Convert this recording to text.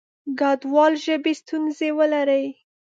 کډوال ژبې ستونزې ولري.